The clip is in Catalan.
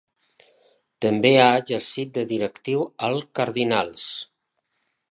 També ha exercit de directiu al Cardinals.